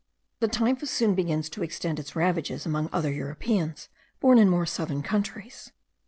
The typhus soon begins to extend its ravages among other Europeans, born in more southern countries.